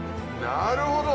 なるほど。